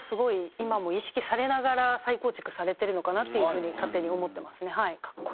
今も意識されながら再構築されてるのかなっていう風に勝手に思ってますねはい。